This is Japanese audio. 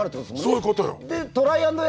そういうことよ。